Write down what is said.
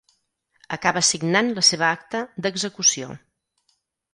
Acaba signant la seva acta d'execució.